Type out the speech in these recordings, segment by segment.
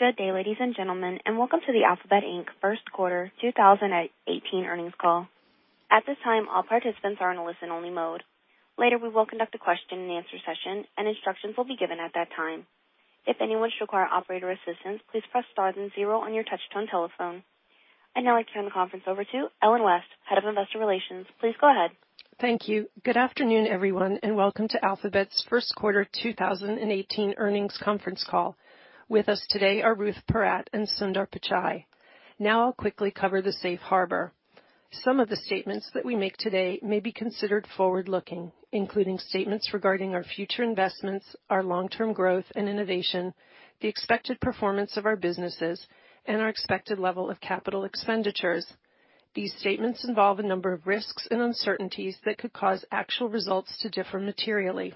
Good day, ladies and gentlemen, and welcome to the Alphabet Inc. First Quarter 2018 earnings call. At this time, all participants are in a listen-only mode. Later, we will conduct a question-and-answer session, and instructions will be given at that time. If anyone should require operator assistance, please press star then zero on your touch-tone telephone. I now like to turn the conference over to Ellen West, Head of Investor Relations. Please go ahead. Thank you. Good afternoon, everyone, and welcome to Alphabet's First Quarter 2018 earnings conference call. With us today are Ruth Porat and Sundar Pichai. Now I'll quickly cover the Safe Harbor. Some of the statements that we make today may be considered forward-looking, including statements regarding our future investments, our long-term growth and innovation, the expected performance of our businesses, and our expected level of capital expenditures. These statements involve a number of risks and uncertainties that could cause actual results to differ materially.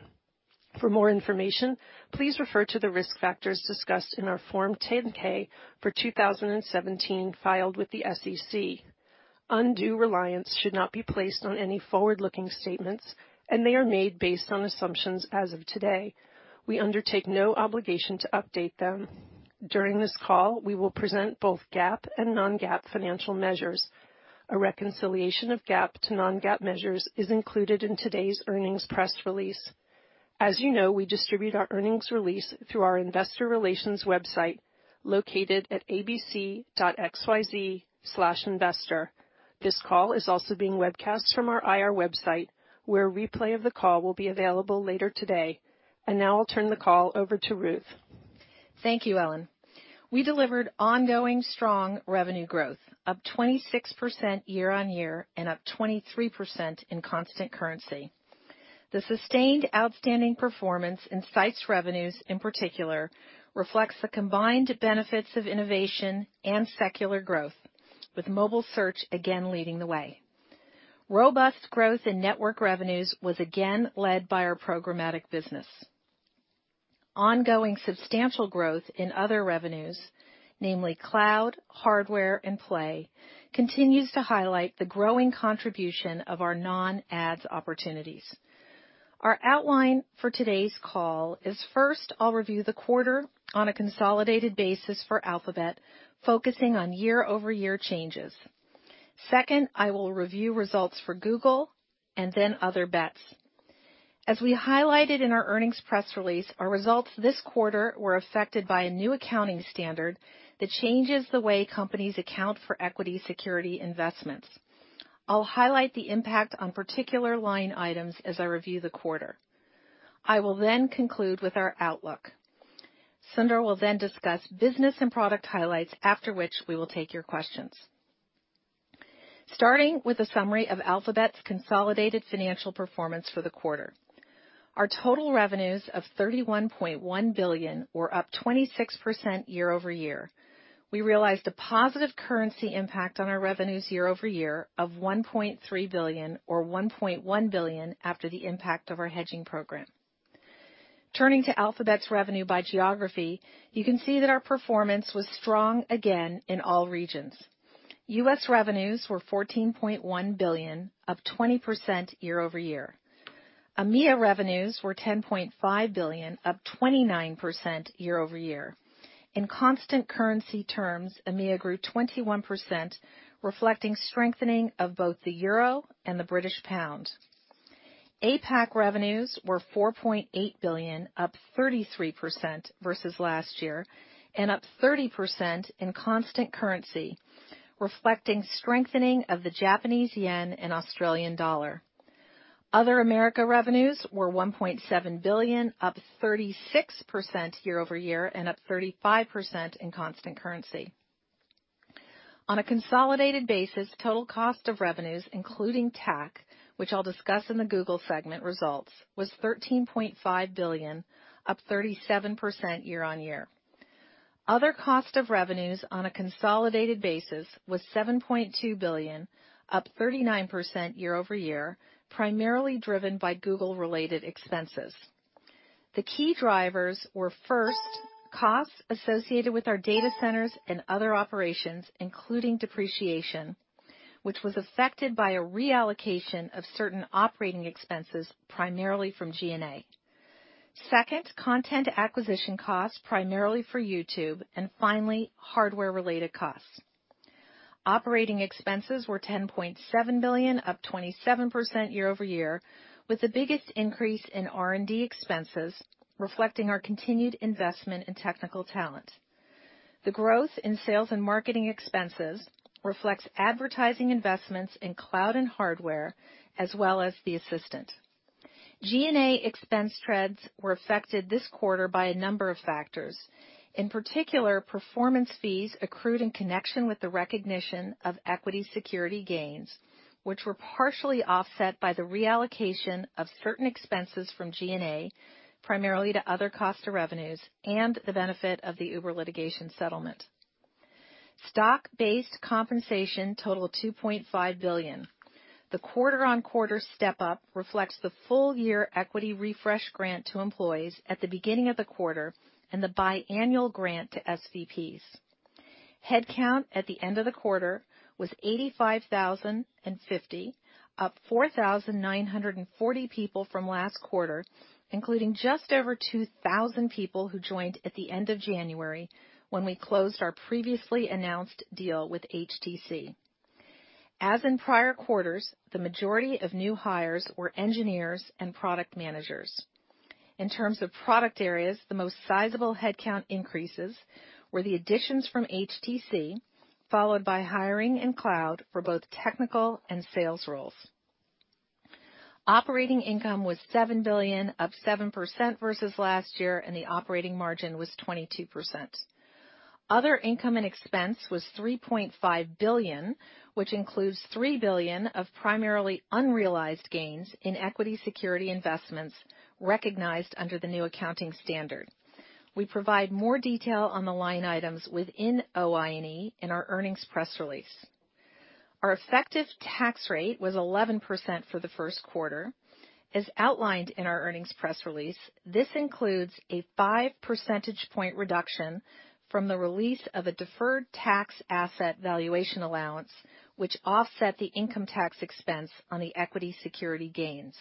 For more information, please refer to the risk factors discussed in our Form 10-K for 2017 filed with the SEC. Undue reliance should not be placed on any forward-looking statements, and they are made based on assumptions as of today. We undertake no obligation to update them. During this call, we will present both GAAP and non-GAAP financial measures. A reconciliation of GAAP to non-GAAP measures is included in today's earnings press release. As you know, we distribute our earnings release through our Investor Relations website located at abc.xyz/investor. This call is also being webcast from our IR website, where a replay of the call will be available later today. And now I'll turn the call over to Ruth. Thank you, Ellen. We delivered ongoing strong revenue growth, up 26% year-on-year and up 23% in constant currency. The sustained outstanding performance in Sites revenues, in particular, reflects the combined benefits of innovation and secular growth, with mobile search again leading the way. Robust growth in Network revenues was again led by our programmatic business. Ongoing substantial growth in Other revenues, namely Cloud, Hardware, and Play, continues to highlight the growing contribution of our non-ads opportunities. Our outline for today's call is, first, I'll review the quarter on a consolidated basis for Alphabet, focusing on year-over-year changes. Second, I will review results for Google and then Other Bets. As we highlighted in our earnings press release, our results this quarter were affected by a new accounting standard that changes the way companies account for equity security investments. I'll highlight the impact on particular line items as I review the quarter. I will then conclude with our outlook. Sundar will then discuss business and product highlights, after which we will take your questions. Starting with a summary of Alphabet's consolidated financial performance for the quarter. Our total revenues of $31.1 billion were up 26% year-over-year. We realized a positive currency impact on our revenues year-over-year of $1.3 billion, or $1.1 billion, after the impact of our hedging program. Turning to Alphabet's revenue by geography, you can see that our performance was strong again in all regions. U.S. revenues were $14.1 billion, up 20% year-over-year. EMEA revenues were $10.5 billion, up 29% year-over-year. In constant currency terms, EMEA grew 21%, reflecting strengthening of both the euro and the British pound. APAC revenues were $4.8 billion, up 33% versus last year, and up 30% in constant currency, reflecting strengthening of the Japanese yen and Australian dollar. Other Americas revenues were $1.7 billion, up 36% year-over-year, and up 35% in constant currency. On a consolidated basis, total cost of revenues, including TAC, which I'll discuss in the Google segment results, was $13.5 billion, up 37% year-on-year. Other cost of revenues on a consolidated basis was $7.2 billion, up 39% year-over-year, primarily driven by Google-related expenses. The key drivers were first, costs associated with our data centers and other operations, including depreciation, which was affected by a reallocation of certain operating expenses, primarily from G&A. Second, content acquisition costs, primarily for YouTube, and finally, Hardware-related costs. Operating expenses were $10.7 billion, up 27% year-over-year, with the biggest increase in R&D expenses, reflecting our continued investment in technical talent. The growth in sales and marketing expenses reflects advertising investments in Cloud and Hardware, as well as the Assistant. G&A expense trends were affected this quarter by a number of factors. In particular, performance fees accrued in connection with the recognition of equity security gains, which were partially offset by the reallocation of certain expenses from G&A, primarily to other cost of revenues, and the benefit of the Uber litigation settlement. Stock-based compensation totaled $2.5 billion. The quarter-on-quarter step-up reflects the full-year equity refresh grant to employees at the beginning of the quarter and the biannual grant to SVPs. Headcount at the end of the quarter was 85,050, up 4,940 people from last quarter, including just over 2,000 people who joined at the end of January when we closed our previously announced deal with HTC. As in prior quarters, the majority of new hires were engineers and product managers. In terms of product areas, the most sizable headcount increases were the additions from HTC, followed by hiring and Cloud for both technical and sales roles. Operating income was $7 billion, up 7% versus last year, and the operating margin was 22%. Other income and expense was $3.5 billion, which includes $3 billion of primarily unrealized gains in equity security investments recognized under the new accounting standard. We provide more detail on the line items within OI&E in our earnings press release. Our effective tax rate was 11% for the first quarter. As outlined in our earnings press release, this includes a 5 percentage point reduction from the release of a deferred tax asset valuation allowance, which offset the income tax expense on the equity security gains.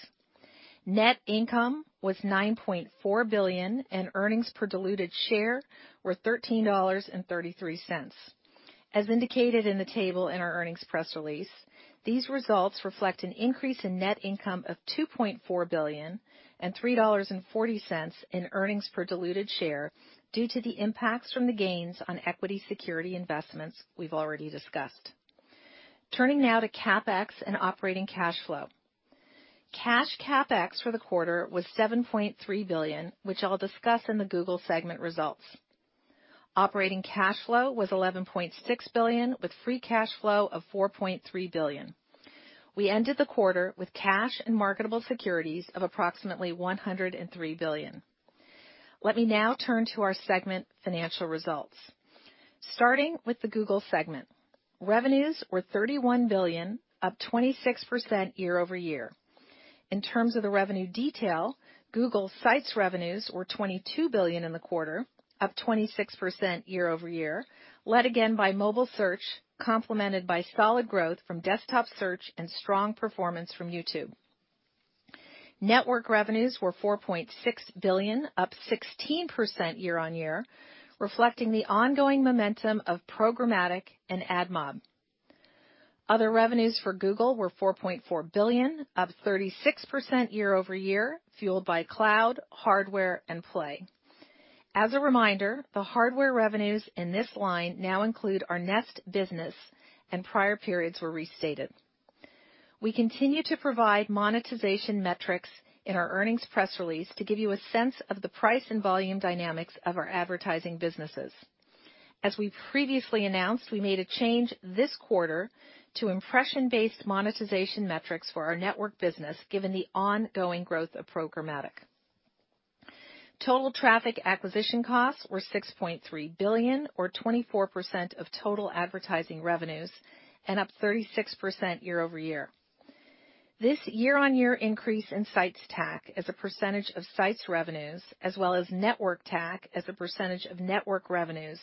Net income was $9.4 billion, and earnings per diluted share were $13.33. As indicated in the table in our earnings press release, these results reflect an increase in net income of $2.4 billion and $3.40 in earnings per diluted share due to the impacts from the gains on equity security investments we've already discussed. Turning now to CapEx and operating cash flow. Cash CapEx for the quarter was $7.3 billion, which I'll discuss in the Google segment results. Operating cash flow was $11.6 billion, with free cash flow of $4.3 billion. We ended the quarter with cash and marketable securities of approximately $103 billion. Let me now turn to our segment financial results. Starting with the Google segment, revenues were $31 billion, up 26% year-over-year. In terms of the revenue detail, Google Sites revenues were $22 billion in the quarter, up 26% year-over-year, led again by mobile search, complemented by solid growth from desktop search and strong performance from YouTube. Network revenues were $4.6 billion, up 16% year-on-year, reflecting the ongoing momentum of programmatic and AdMob. Other revenues for Google were $4.4 billion, up 36% year-over-year, fueled by Cloud, Hardware, and Play. As a reminder, the Hardware revenues in this line now include our Nest business, and prior periods were restated. We continue to provide monetization metrics in our earnings press release to give you a sense of the price and volume dynamics of our advertising businesses. As we previously announced, we made a change this quarter to impression-based monetization metrics for our Network business, given the ongoing growth of programmatic. Total traffic acquisition costs were $6.3 billion, or 24% of total advertising revenues, and up 36% year-over-year. This year-on-year increase in Sites TAC as a percentage of Sites revenues, as well as Network TAC as a percentage of Network revenues,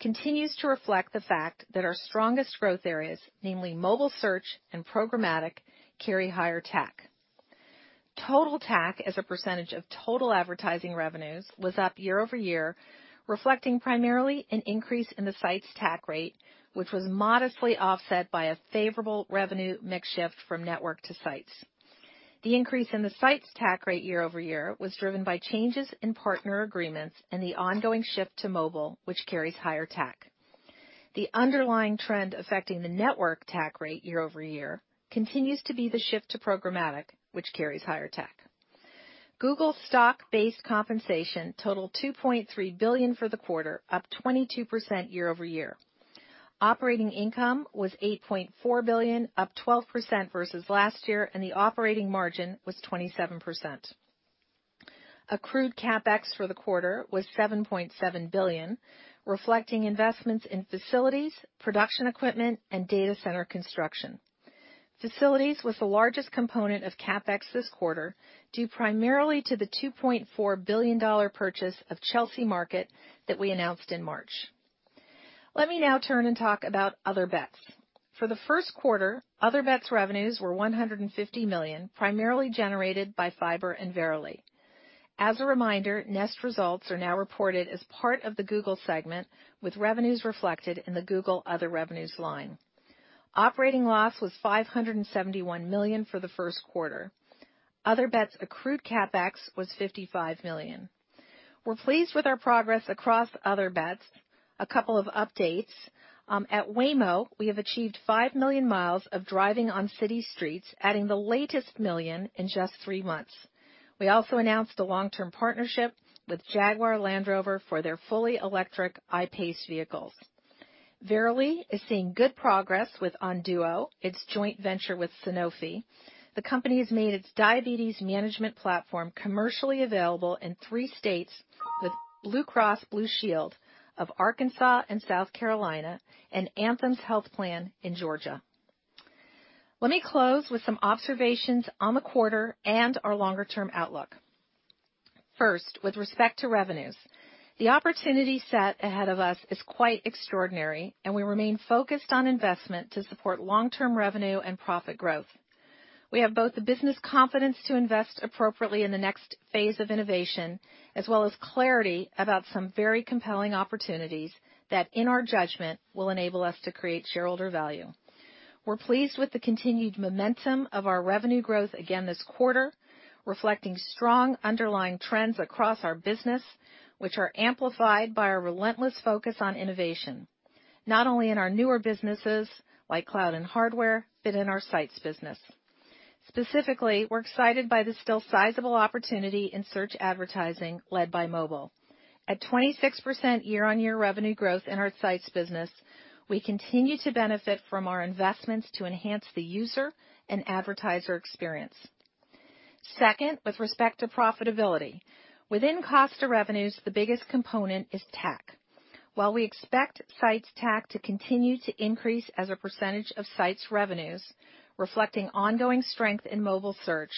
continues to reflect the fact that our strongest growth areas, namely mobile search and programmatic, carry higher TAC. Total TAC as a percentage of total advertising revenues was up year-over-year, reflecting primarily an increase in the Sites TAC rate, which was modestly offset by a favorable revenue mix shift from Network to Sites. The increase in the Sites TAC rate year-over-year was driven by changes in partner agreements and the ongoing shift to mobile, which carries higher TAC. The underlying trend affecting the Network TAC rate year-over-year continues to be the shift to programmatic, which carries higher TAC. Google stock-based compensation totaled $2.3 billion for the quarter, up 22% year-over-year. Operating income was $8.4 billion, up 12% versus last year, and the operating margin was 27%. Accrued CapEx for the quarter was $7.7 billion, reflecting investments in facilities, production equipment, and data center construction. Facilities was the largest component of CapEx this quarter, due primarily to the $2.4 billion purchase of Chelsea Market that we announced in March. Let me now turn and talk about Other Bets. For the first quarter, Other Bets revenues were $150 million, primarily generated by Fiber and Verily. As a reminder, Nest results are now reported as part of the Google segment, with revenues reflected in the Google Other Revenues line. Operating loss was $571 million for the first quarter. Other Bets accrued CapEx was $55 million. We're pleased with our progress across Other Bets. A couple of updates. At Waymo, we have achieved 5 million miles of driving on city streets, adding the latest million in just three months. We also announced a long-term partnership with Jaguar Land Rover for their fully electric I-PACE vehicles. Verily is seeing good progress with Onduo, its joint venture with Sanofi. The company has made its diabetes management platform commercially available in three states, with Blue Cross Blue Shield of Arkansas and South Carolina, and Anthem's health plan in Georgia. Let me close with some observations on the quarter and our longer-term outlook. First, with respect to revenues, the opportunity set ahead of us is quite extraordinary, and we remain focused on investment to support long-term revenue and profit growth. We have both the business confidence to invest appropriately in the next phase of innovation, as well as clarity about some very compelling opportunities that, in our judgment, will enable us to create shareholder value. We're pleased with the continued momentum of our revenue growth again this quarter, reflecting strong underlying trends across our business, which are amplified by our relentless focus on innovation, not only in our newer businesses like Cloud and Hardware, but in our Sites business. Specifically, we're excited by the still sizable opportunity in search advertising led by mobile. At 26% year-over-year revenue growth in our Sites business, we continue to benefit from our investments to enhance the user and advertiser experience. Second, with respect to profitability. Within cost of revenues, the biggest component is TAC. While we expect Sites TAC to continue to increase as a percentage of Sites revenues, reflecting ongoing strength in mobile search,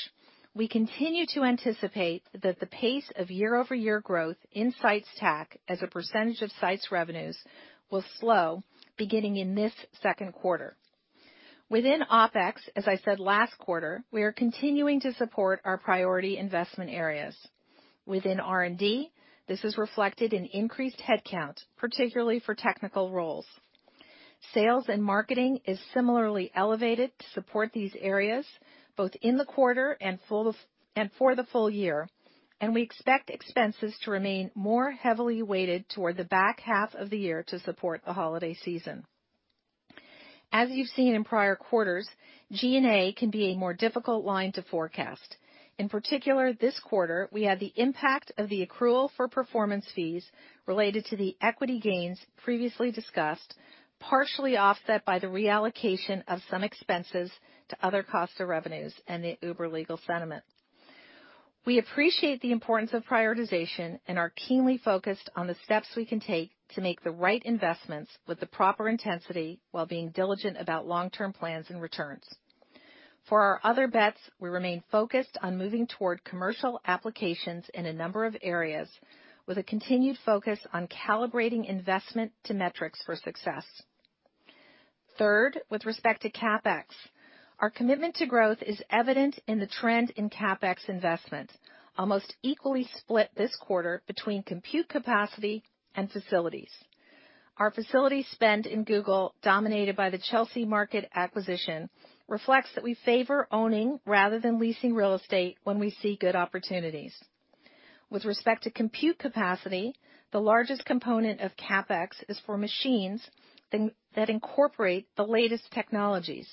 we continue to anticipate that the pace of year-over-year growth in Sites TAC as a percentage of Sites revenues will slow beginning in this second quarter. Within OpEx, as I said last quarter, we are continuing to support our priority investment areas. Within R&D, this is reflected in increased headcount, particularly for technical roles. Sales and marketing is similarly elevated to support these areas, both in the quarter and for the full year, and we expect expenses to remain more heavily weighted toward the back half of the year to support the holiday season. As you've seen in prior quarters, G&A can be a more difficult line to forecast. In particular, this quarter, we had the impact of the accrual for performance fees related to the equity gains previously discussed, partially offset by the reallocation of some expenses to other cost of revenues and the Uber legal settlement. We appreciate the importance of prioritization and are keenly focused on the steps we can take to make the right investments with the proper intensity while being diligent about long-term plans and returns. For our Other Bets, we remain focused on moving toward commercial applications in a number of areas, with a continued focus on calibrating investment to metrics for success. Third, with respect to CapEx, our commitment to growth is evident in the trend in CapEx investment, almost equally split this quarter between compute capacity and facilities. Our facility spend in Google, dominated by the Chelsea Market acquisition, reflects that we favor owning rather than leasing real estate when we see good opportunities. With respect to compute capacity, the largest component of CapEx is for machines that incorporate the latest technologies.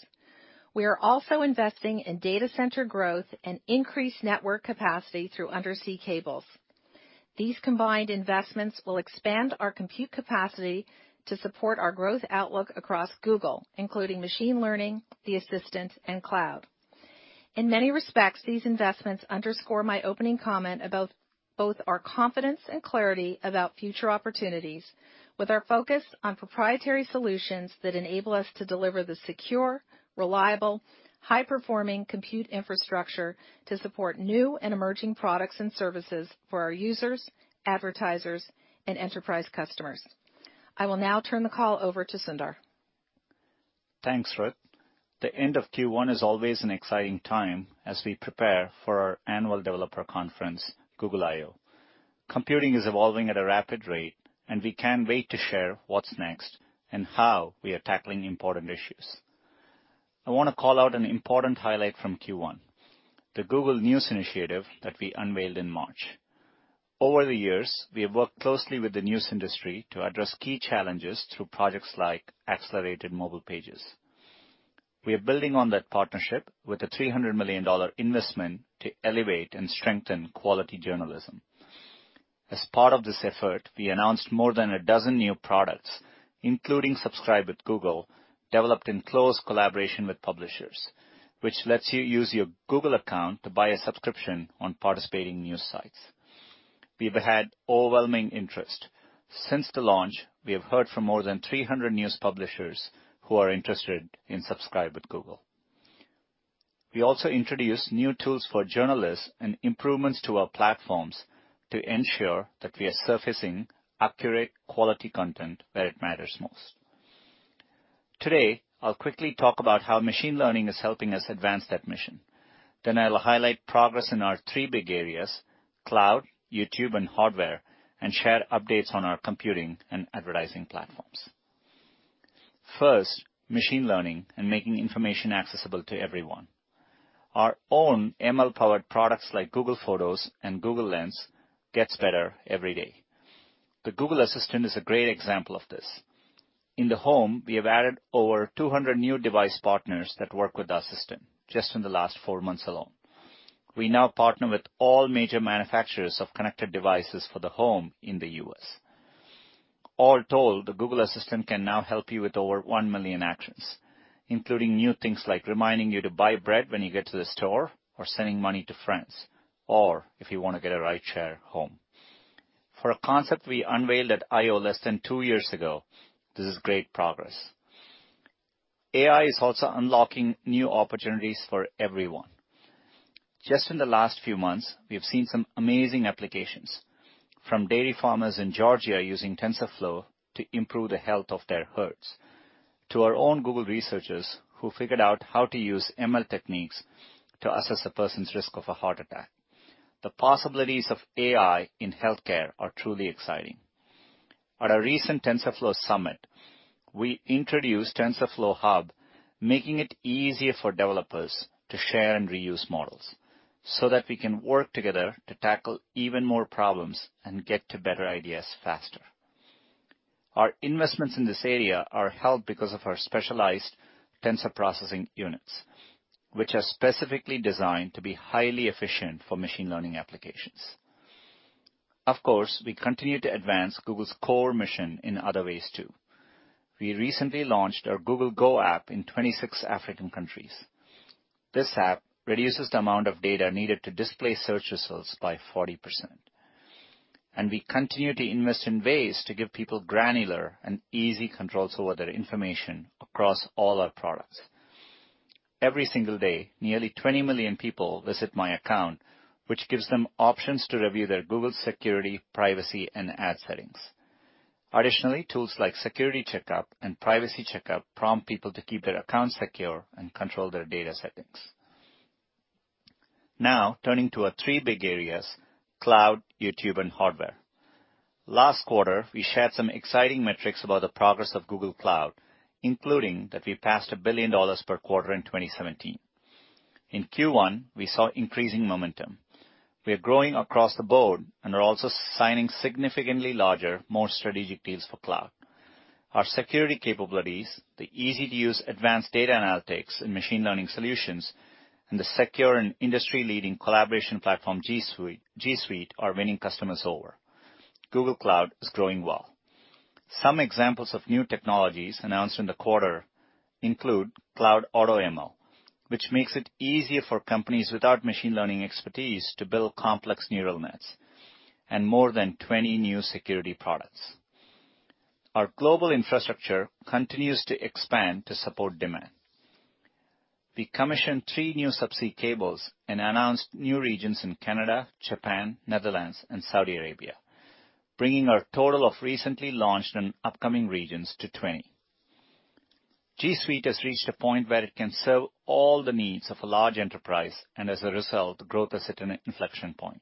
We are also investing in data center growth and increased network capacity through undersea cables. These combined investments will expand our compute capacity to support our growth outlook across Google, including machine learning, the Assistant, and Cloud. In many respects, these investments underscore my opening comment about both our confidence and clarity about future opportunities, with our focus on proprietary solutions that enable us to deliver the secure, reliable, high-performing compute infrastructure to support new and emerging products and services for our users, advertisers, and enterprise customers. I will now turn the call over to Sundar. Thanks, Ruth. The end of Q1 is always an exciting time as we prepare for our annual developer conference, Google I/O. Computing is evolving at a rapid rate, and we can't wait to share what's next and how we are tackling important issues. I want to call out an important highlight from Q1, the Google News Initiative that we unveiled in March. Over the years, we have worked closely with the news industry to address key challenges through projects like Accelerated Mobile Pages. We are building on that partnership with a $300 million investment to elevate and strengthen quality journalism. As part of this effort, we announced more than a dozen new products, including Subscribe with Google, developed in close collaboration with publishers, which lets you use your Google account to buy a subscription on participating news sites. We've had overwhelming interest. Since the launch, we have heard from more than 300 news publishers who are interested in Subscribe with Google. We also introduced new tools for journalists and improvements to our platforms to ensure that we are surfacing accurate, quality content where it matters most. Today, I'll quickly talk about how machine learning is helping us advance that mission. Then I'll highlight progress in our three big areas: Cloud, YouTube, and Hardware, and share updates on our computing and advertising platforms. First, machine learning and making information accessible to everyone. Our own ML-powered products like Google Photos and Google Lens get better every day. The Google Assistant is a great example of this. In the home, we have added over 200 new device partners that work with the Assistant just in the last four months alone. We now partner with all major manufacturers of connected devices for the home in the U.S. All told, the Google Assistant can now help you with over 1 million actions, including new things like reminding you to buy bread when you get to the store, or sending money to friends, or if you want to get a rideshare home. For a concept we unveiled at I/O less than two years ago, this is great progress. AI is also unlocking new opportunities for everyone. Just in the last few months, we have seen some amazing applications, from dairy farmers in Georgia using TensorFlow to improve the health of their herds, to our own Google researchers who figured out how to use ML techniques to assess a person's risk of a heart attack. The possibilities of AI in healthcare are truly exciting. At our recent TensorFlow Summit, we introduced TensorFlow Hub, making it easier for developers to share and reuse models so that we can work together to tackle even more problems and get to better ideas faster. Our investments in this area are helped because of our specialized Tensor Processing Units, which are specifically designed to be highly efficient for machine learning applications. Of course, we continue to advance Google's core mission in other ways too. We recently launched our Google Go app in 26 African countries. This app reduces the amount of data needed to display search results by 40%. And we continue to invest in ways to give people granular and easy controls over their information across all our products. Every single day, nearly 20 million people visit My Account, which gives them options to review their Google security, privacy, and ad settings. Additionally, tools like Security Checkup and Privacy Checkup prompt people to keep their accounts secure and control their data settings. Now, turning to our three big areas: Cloud, YouTube, and Hardware. Last quarter, we shared some exciting metrics about the progress of Google Cloud, including that we passed $1 billion per quarter in 2017. In Q1, we saw increasing momentum. We are growing across the board and are also signing significantly larger, more strategic deals for Cloud. Our security capabilities, the easy-to-use advanced data analytics and machine learning solutions, and the secure and industry-leading collaboration platform, G Suite, are winning customers over. Google Cloud is growing well. Some examples of new technologies announced in the quarter include Cloud AutoML, which makes it easier for companies without machine learning expertise to build complex neural nets and more than 20 new security products. Our global infrastructure continues to expand to support demand. We commissioned three new subsea cables and announced new regions in Canada, Japan, Netherlands, and Saudi Arabia, bringing our total of recently launched and upcoming regions to 20. G Suite has reached a point where it can serve all the needs of a large enterprise, and as a result, the growth is at an inflection point.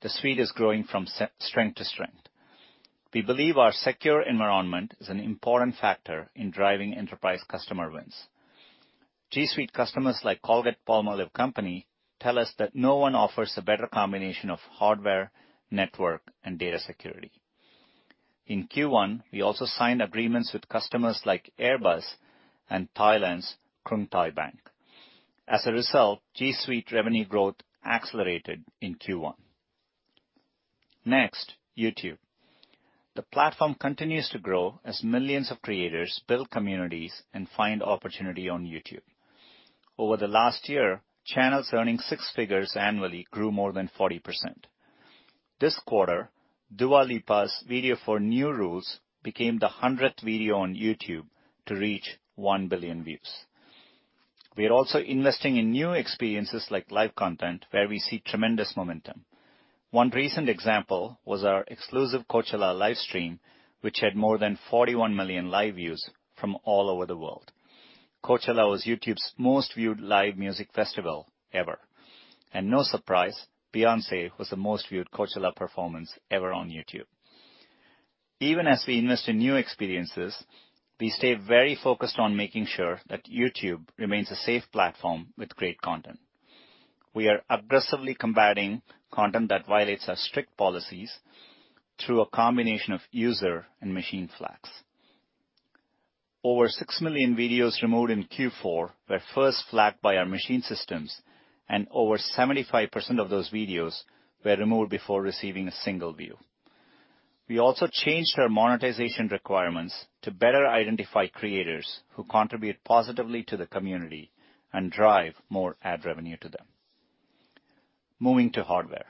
The Suite is growing from strength to strength. We believe our secure environment is an important factor in driving enterprise customer wins. G Suite customers like Colgate-Palmolive Company tell us that no one offers a better combination of Hardware, Network, and data security. In Q1, we also signed agreements with customers like Airbus and Thailand's Krungthai Bank. As a result, G Suite revenue growth accelerated in Q1. Next, YouTube. The platform continues to grow as millions of creators build communities and find opportunity on YouTube. Over the last year, channels earning six figures annually grew more than 40%. This quarter, Dua Lipa's video for New Rules became the 100th video on YouTube to reach 1 billion views. We are also investing in new experiences like live content, where we see tremendous momentum. One recent example was our exclusive Coachella livestream, which had more than 41 million live views from all over the world. Coachella was YouTube's most viewed live music festival ever, and no surprise, Beyoncé was the most viewed Coachella performance ever on YouTube. Even as we invest in new experiences, we stay very focused on making sure that YouTube remains a safe platform with great content. We are aggressively combating content that violates our strict policies through a combination of user and machine flags. Over six million videos removed in Q4 were first flagged by our machine systems, and over 75% of those videos were removed before receiving a single view. We also changed our monetization requirements to better identify creators who contribute positively to the community and drive more ad revenue to them. Moving to Hardware.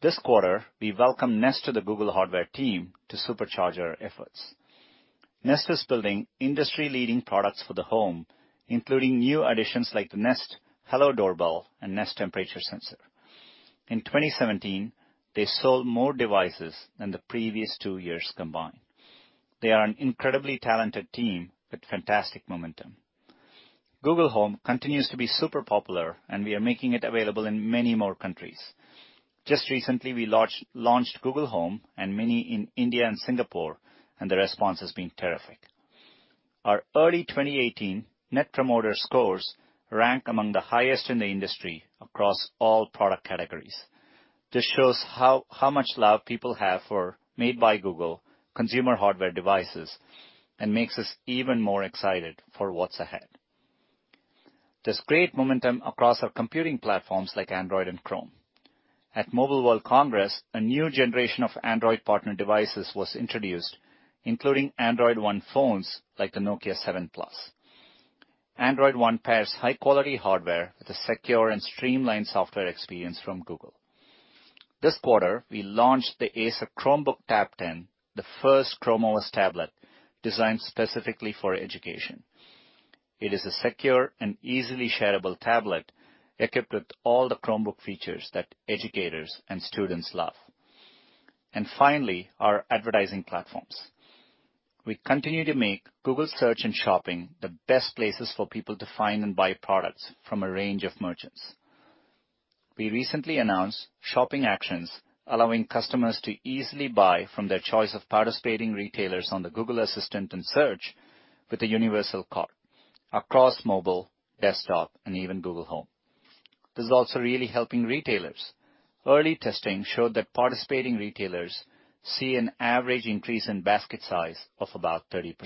This quarter, we welcomed Nest, the Google Hardware team, to supercharge our efforts. Nest is building industry-leading products for the home, including new additions like the Nest Hello doorbell and Nest Temperature Sensor. In 2017, they sold more devices than the previous two years combined. They are an incredibly talented team with fantastic momentum. Google Home continues to be super popular, and we are making it available in many more countries. Just recently, we launched Google Home and Mini in India and Singapore, and the response has been terrific. Our early 2018 Net Promoter Scores rank among the highest in the industry across all product categories. This shows how much love people have for Made by Google consumer hardware devices and makes us even more excited for what's ahead. There's great momentum across our computing platforms like Android and Chrome. At Mobile World Congress, a new generation of Android partner devices was introduced, including Android One phones like the Nokia 7 Plus. Android One pairs high-quality hardware with a secure and streamlined software experience from Google. This quarter, we launched the Acer Chromebook Tab 10, the first Chrome OS tablet designed specifically for education. It is a secure and easily shareable tablet equipped with all the Chromebook features that educators and students love. And finally, our advertising platforms. We continue to make Google Search and Shopping the best places for people to find and buy products from a range of merchants. We recently announced Shopping Actions allowing customers to easily buy from their choice of participating retailers on the Google Assistant and Search with a universal cart across mobile, desktop, and even Google Home. This is also really helping retailers. Early testing showed that participating retailers see an average increase in basket size of about 30%.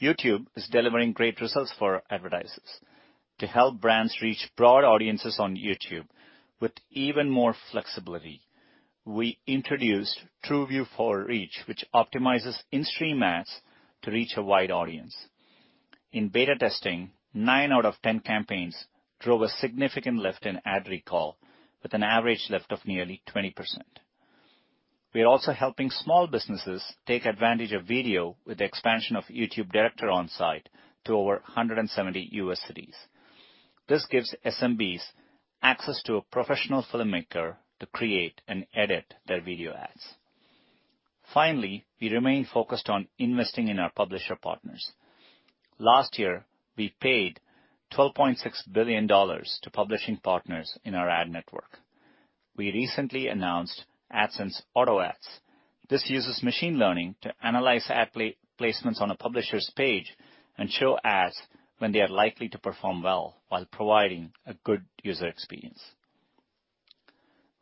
YouTube is delivering great results for advertisers. To help brands reach broad audiences on YouTube with even more flexibility, we introduced TrueView for Reach, which optimizes in-stream ads to reach a wide audience. In beta testing, nine out of 10 campaigns drove a significant lift in ad recall with an average lift of nearly 20%. We are also helping small businesses take advantage of video with the expansion of YouTube Director onsite to over 170 U.S. cities. This gives SMBs access to a professional filmmaker to create and edit their video ads. Finally, we remain focused on investing in our publisher partners. Last year, we paid $12.6 billion to publishing partners in our ad network. We recently announced AdSense Auto Ads. This uses machine learning to analyze ad placements on a publisher's page and show ads when they are likely to perform well while providing a good user experience.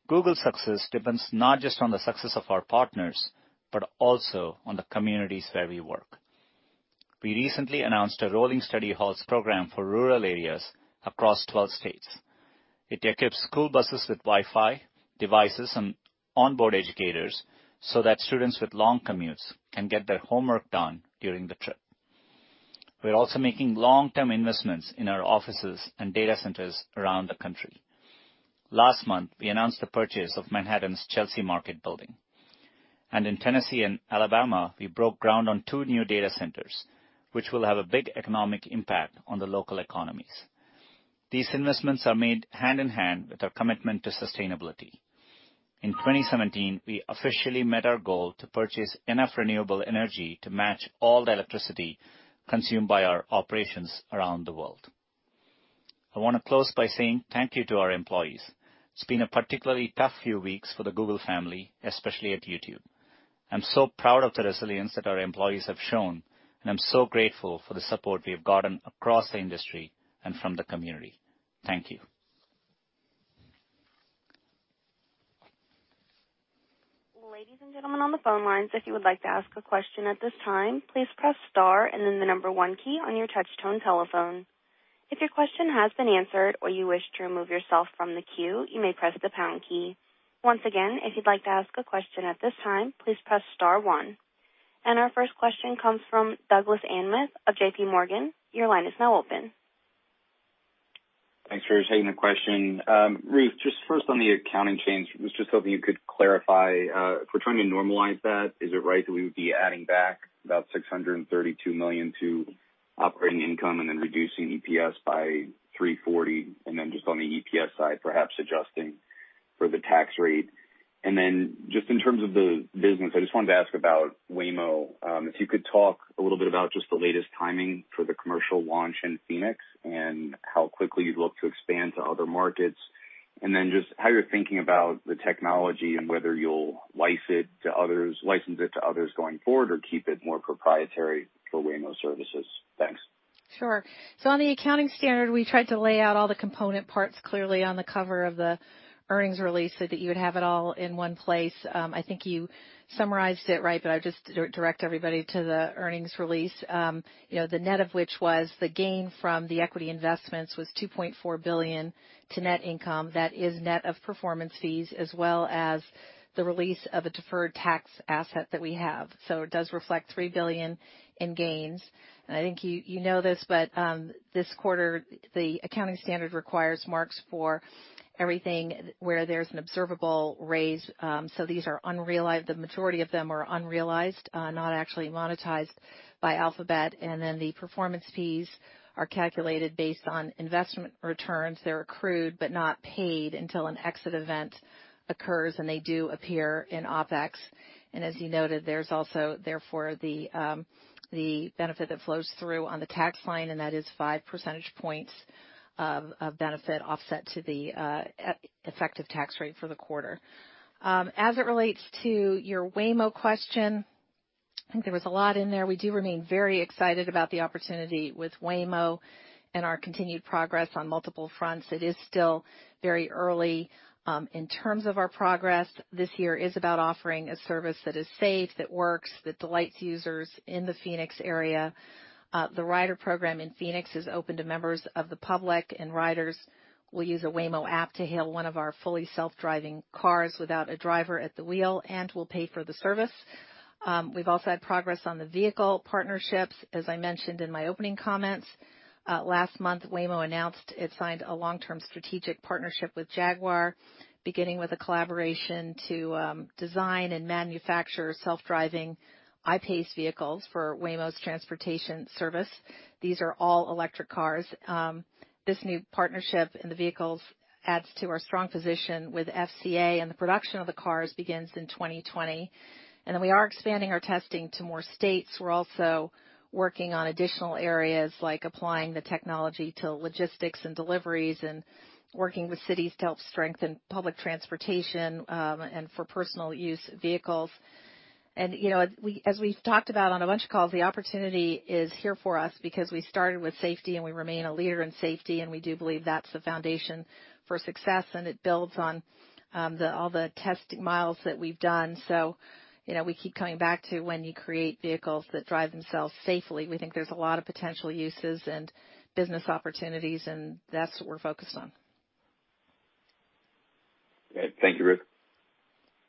Google's success depends not just on the success of our partners, but also on the communities where we work. We recently announced a Rolling Study Halls program for rural areas across 12 states. It equips school buses with Wi-Fi, devices, and onboard educators so that students with long commutes can get their homework done during the trip. We're also making long-term investments in our offices and data centers around the country. Last month, we announced the purchase of Manhattan's Chelsea Market Building, and in Tennessee and Alabama, we broke ground on two new data centers, which will have a big economic impact on the local economies. These investments are made hand in hand with our commitment to sustainability. In 2017, we officially met our goal to purchase enough renewable energy to match all the electricity consumed by our operations around the world. I want to close by saying thank you to our employees. It's been a particularly tough few weeks for the Google family, especially at YouTube. I'm so proud of the resilience that our employees have shown, and I'm so grateful for the support we have gotten across the industry and from the community. Thank you. Ladies and gentlemen on the phone lines, if you would like to ask a question at this time, please press Star and then the number one key on your touch-tone telephone. If your question has been answered or you wish to remove yourself from the queue, you may press the pound key. Once again, if you'd like to ask a question at this time, please press Star One, and our first question comes from Douglas Anmuth of JPMorgan. Your line is now open. Thanks for taking the question. Ruth, just first on the accounting change, I was just hoping you could clarify. If we're trying to normalize that, is it right that we would be adding back about $632 million to operating income and then reducing EPS by $340? And then just on the EPS side, perhaps adjusting for the tax rate. And then just in terms of the business, I just wanted to ask about Waymo. If you could talk a little bit about just the latest timing for the commercial launch in Phoenix and how quickly you'd look to expand to other markets, and then just how you're thinking about the technology and whether you'll license it to others going forward or keep it more proprietary for Waymo services. Thanks. Sure. So on the accounting standard, we tried to lay out all the component parts clearly on the cover of the earnings release so that you would have it all in one place. I think you summarized it right, but I'll just direct everybody to the earnings release. The net of which was the gain from the equity investments was $2.4 billion to net income. That is net of performance fees as well as the release of a deferred tax asset that we have. So it does reflect $3 billion in gains. I think you know this, but this quarter, the accounting standard requires marks for everything where there's an observable price. So these are unrealized. The majority of them are unrealized, not actually monetized by Alphabet. Then the performance fees are calculated based on investment returns. They're accrued but not paid until an exit event occurs, and they do appear in OpEx. As you noted, there's also therefore the benefit that flows through on the tax line, and that is five percentage points of benefit offset to the effective tax rate for the quarter. As it relates to your Waymo question, I think there was a lot in there. We do remain very excited about the opportunity with Waymo and our continued progress on multiple fronts. It is still very early in terms of our progress. This year is about offering a service that is safe, that works, that delights users in the Phoenix area. The Rider program in Phoenix is open to members of the public, and riders will use a Waymo app to hail one of our fully self-driving cars without a driver at the wheel and will pay for the service. We've also had progress on the vehicle partnerships. As I mentioned in my opening comments, last month, Waymo announced it signed a long-term strategic partnership with Jaguar, beginning with a collaboration to design and manufacture self-driving I-PACE vehicles for Waymo's transportation service. These are all electric cars. This new partnership and the vehicles adds to our strong position with FCA, and the production of the cars begins in 2020, and then we are expanding our testing to more states. We're also working on additional areas like applying the technology to logistics and deliveries and working with cities to help strengthen public transportation and for personal use vehicles, and as we've talked about on a bunch of calls, the opportunity is here for us because we started with safety, and we remain a leader in safety, and we do believe that's the foundation for success, and it builds on all the test miles that we've done. So we keep coming back to when you create vehicles that drive themselves safely. We think there's a lot of potential uses and business opportunities, and that's what we're focused on. Great. Thank you, Ruth.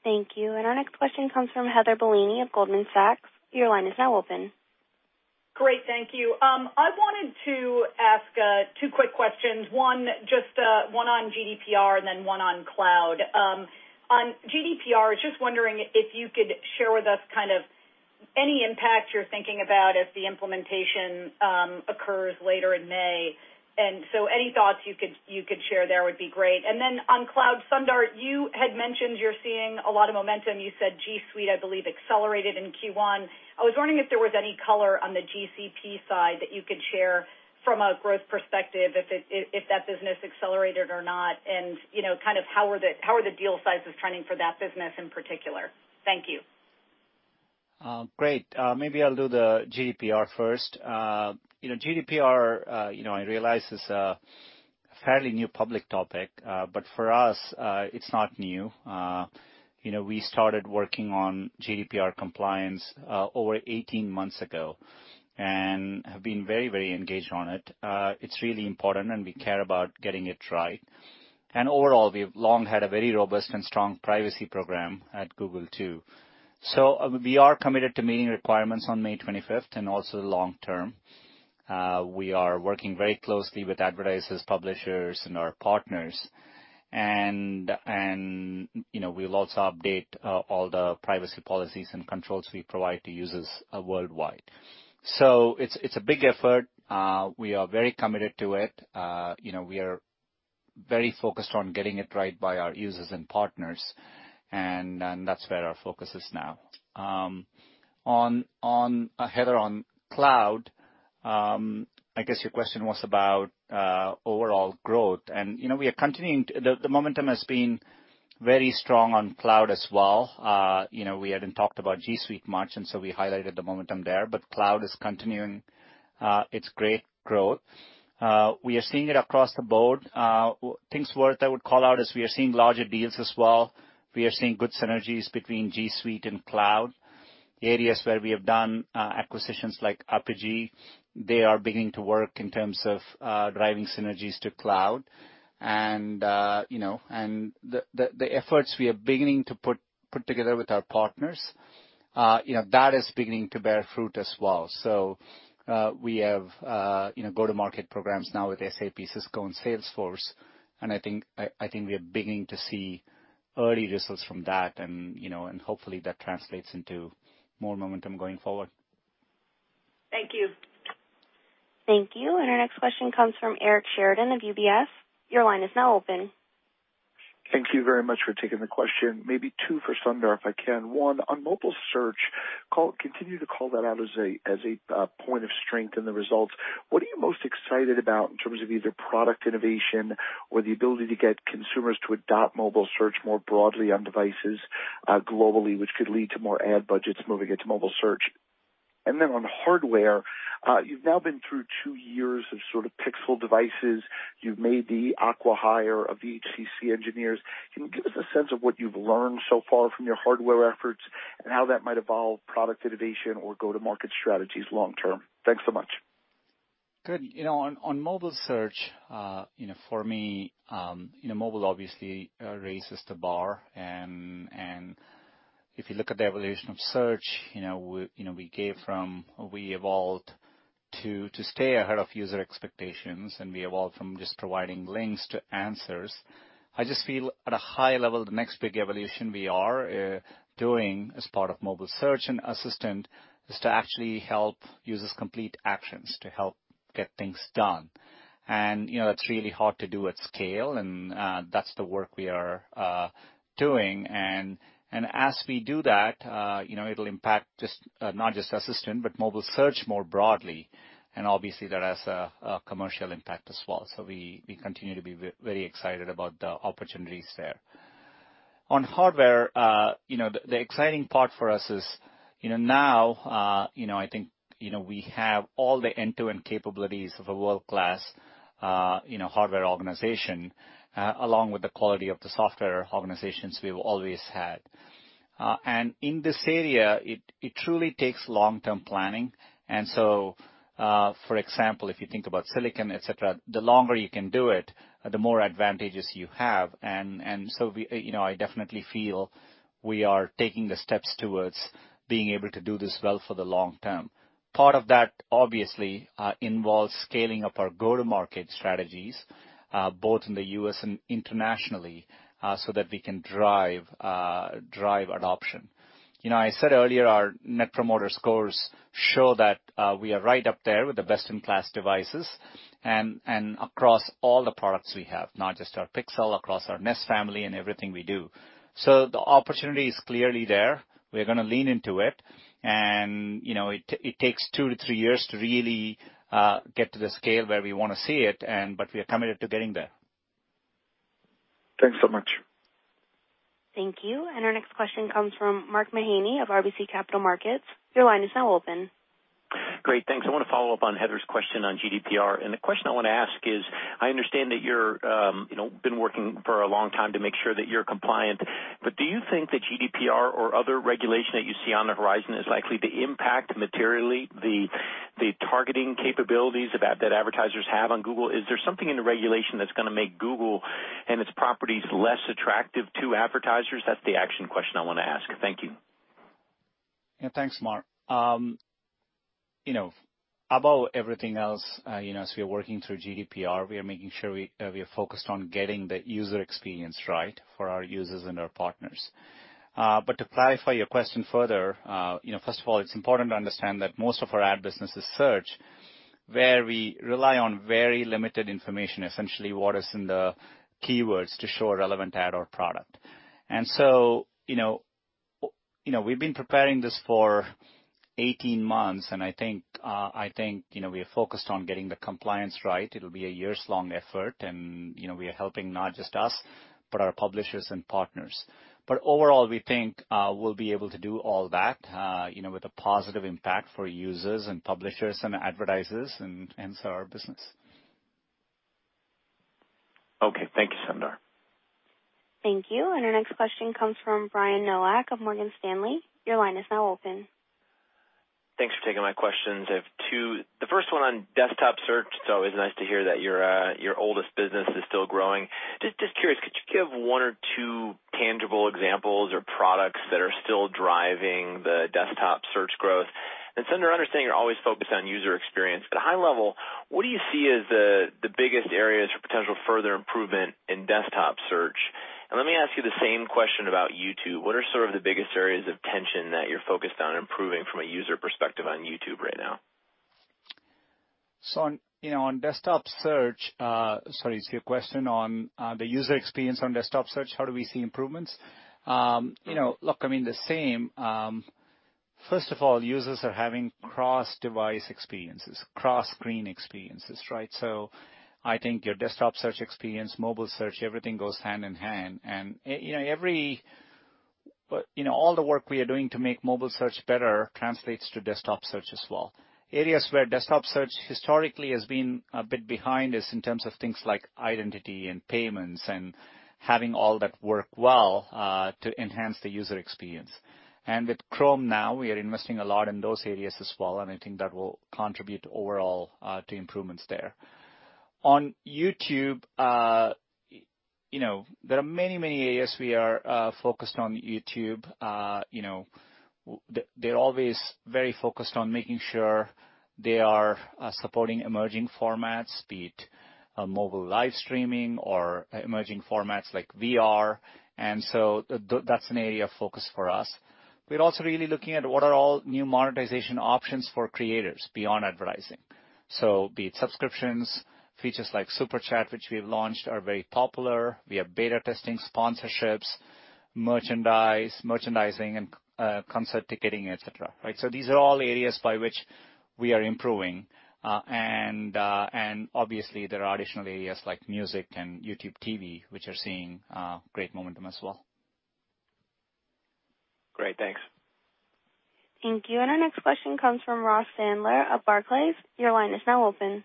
Thank you. And our next question comes from Heather Bellini of Goldman Sachs. Your line is now open. Great. Thank you. I wanted to ask two quick questions. One just one on GDPR and then one on Cloud. On GDPR, I was just wondering if you could share with us kind of any impact you're thinking about if the implementation occurs later in May. And so any thoughts you could share there would be great. And then on Cloud, Sundar, you had mentioned you're seeing a lot of momentum. You said G Suite, I believe, accelerated in Q1. I was wondering if there was any color on the GCP side that you could share from a growth perspective if that business accelerated or not, and kind of how are the deal sizes trending for that business in particular? Thank you. Great. Maybe I'll do the GDPR first. GDPR, I realize, is a fairly new public topic, but for us, it's not new. We started working on GDPR compliance over 18 months ago and have been very, very engaged on it. It's really important, and we care about getting it right. And overall, we've long had a very robust and strong privacy program at Google too. So we are committed to meeting requirements on May 25th and also long-term. We are working very closely with advertisers, publishers, and our partners. And we'll also update all the privacy policies and controls we provide to users worldwide. So it's a big effort. We are very committed to it. We are very focused on getting it right by our users and partners, and that's where our focus is now. Heather, on Cloud, I guess your question was about overall growth. And we are continuing to see the momentum has been very strong on Cloud as well. We hadn't talked about G Suite much, and so we highlighted the momentum there, but Cloud is continuing its great growth. We are seeing it across the board. Things I would call out is we are seeing larger deals as well. We are seeing good synergies between G Suite and Cloud. Areas where we have done acquisitions like Apigee, they are beginning to work in terms of driving synergies to Cloud. And the efforts we are beginning to put together with our partners, that is beginning to bear fruit as well. We have go-to-market programs now with SAP, Cisco, and Salesforce. And I think we are beginning to see early results from that, and hopefully, that translates into more momentum going forward. Thank you. Thank you. Our next question comes from Eric Sheridan of UBS. Your line is now open. Thank you very much for taking the question. Maybe two for Sundar, if I can. One, on mobile search, continue to call that out as a point of strength in the results. What are you most excited about in terms of either product innovation or the ability to get consumers to adopt mobile search more broadly on devices globally, which could lead to more ad budgets moving into mobile search? And then on Hardware, you've now been through two years of sort of Pixel devices. You've made the acqui-hire of the HTC engineers. Can you give us a sense of what you've learned so far from your Hardware efforts and how that might evolve product innovation or go-to-market strategies long-term? Thanks so much. Good. On mobile search, for me, mobile obviously raises the bar. And if you look at the evolution of search, we evolved to stay ahead of user expectations, and we evolved from just providing links to answers. I just feel at a high level the next big evolution we are doing as part of mobile search and Assistant is to actually help users complete actions to help get things done. And that's really hard to do at scale, and that's the work we are doing. And as we do that, it'll impact not just Assistant, but mobile search more broadly. And obviously, that has a commercial impact as well. We continue to be very excited about the opportunities there. On Hardware, the exciting part for us is now I think we have all the end-to-end capabilities of a world-class Hardware organization along with the quality of the software organizations we've always had. In this area, it truly takes long-term planning. For example, if you think about silicon, etc., the longer you can do it, the more advantages you have. I definitely feel we are taking the steps towards being able to do this well for the long term. Part of that, obviously, involves scaling up our go-to-market strategies both in the U.S. and internationally so that we can drive adoption. I said earlier our net promoter scores show that we are right up there with the best-in-class devices and across all the products we have, not just our Pixel, across our Nest family and everything we do. So the opportunity is clearly there. We're going to lean into it. And it takes two to three years to really get to the scale where we want to see it, but we are committed to getting there. Thanks so much. Thank you. And our next question comes from Mark Mahaney of RBC Capital Markets. Your line is now open. Great. Thanks. I want to follow up on Heather's question on GDPR. The question I want to ask is, I understand that you've been working for a long time to make sure that you're compliant, but do you think that GDPR or other regulation that you see on the horizon is likely to impact materially the targeting capabilities that advertisers have on Google? Is there something in the regulation that's going to make Google and its properties less attractive to advertisers? That's the actual question I want to ask. Thank you. Yeah. Thanks, Mark. Above everything else, as we are working through GDPR, we are making sure we are focused on getting the user experience right for our users and our partners. But to clarify your question further, first of all, it's important to understand that most of our ad business is search where we rely on very limited information, essentially what is in the keywords to show a relevant ad or product. And so we've been preparing this for 18 months, and I think we are focused on getting the compliance right. It'll be a years-long effort, and we are helping not just us, but our publishers and partners. But overall, we think we'll be able to do all that with a positive impact for users and publishers and advertisers and our business. Okay. Thank you, Sundar. Thank you. And our next question comes from Brian Nowak of Morgan Stanley. Your line is now open. Thanks for taking my questions. I have two. The first one on desktop search. It's always nice to hear that your oldest business is still growing. Just curious, could you give one or two tangible examples or products that are still driving the desktop search growth? And Sundar, I understand you're always focused on user experience. At a high level, what do you see as the biggest areas for potential further improvement in desktop search? And let me ask you the same question about YouTube. What are sort of the biggest areas of tension that you're focused on improving from a user perspective on YouTube right now? So on desktop search, sorry, it's your question on the user experience on desktop search, how do we see improvements? Look, I mean, the same. First of all, users are having cross-device experiences, cross-screen experiences, right? So I think your desktop search experience, mobile search, everything goes hand in hand. And all the work we are doing to make mobile search better translates to desktop search as well. Areas where desktop search historically has been a bit behind is in terms of things like identity and payments and having all that work well to enhance the user experience, and with Chrome now, we are investing a lot in those areas as well, and I think that will contribute overall to improvements there. On YouTube, there are many, many areas we are focused on YouTube. They're always very focused on making sure they are supporting emerging formats, be it mobile live streaming or emerging formats like VR, and so that's an area of focus for us. We're also really looking at what are all new monetization options for creators beyond advertising, so be it subscriptions, features like Super Chat, which we have launched, are very popular. We have beta testing sponsorships, merchandising, and concert ticketing, etc., right, so these are all areas by which we are improving. Obviously, there are additional areas like music and YouTube TV, which are seeing great momentum as well. Great. Thanks. Thank you. And our next question comes from Ross Sandler of Barclays. Your line is now open.